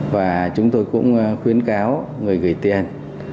và chúng tôi cũng khuyến cáo người gửi tiền